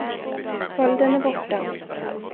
Skölden är borta!